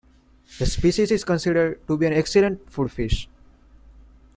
This species is considered to be an excellent food fish.